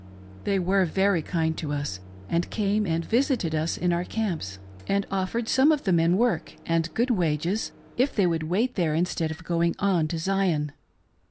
They were very kind to us and came and visited us in our camps and offered some of the men work and good wages if they would wait there instead of going on to Zion.